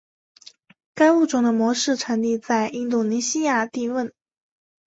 该物种的模式产地在印度尼西亚帝汶。